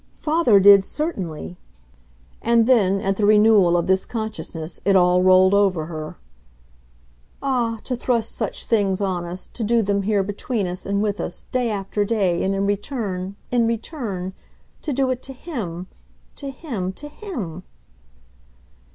"Father did certainly!" And then, at the renewal of this consciousness, it all rolled over her. "Ah, to thrust such things on us, to do them here between us and with us, day after day, and in return, in return ! To do it to HIM to him, to him!"